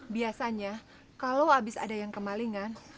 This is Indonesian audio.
biasanya kalau habis ada yang kemalingan